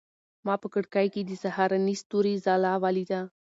ما په کړکۍ کې د سهارني ستوري ځلا ولیده.